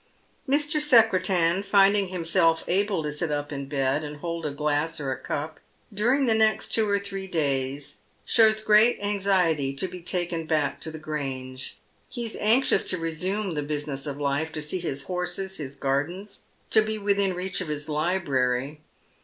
Mr. Secretan, finding himself able to sit up in bed, and hold a glass or a cup, during the next two or three days shows great anxiety to be taken back to the Grange. He rs anxious to resume the business of life — to see his horses, his gardens, to bo within reach of his library.